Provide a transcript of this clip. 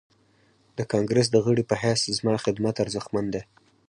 د کانګريس د غړي په حيث زما خدمت ارزښتمن دی.